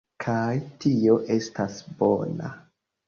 kaj tio estas bona.